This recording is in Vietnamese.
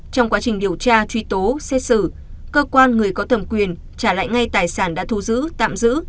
trong quá trình điều tra truy tố xét xử cơ quan người có thẩm quyền trả lại ngay tài sản đã thu giữ tạm giữ